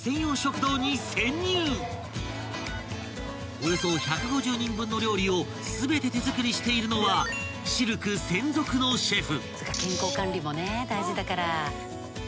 ［およそ１５０人分の料理を全て手作りしているのはシルク専属のシェフ］